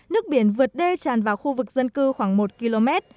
nước biển vượt đê tràn vào khu vực dân cư khoảng một km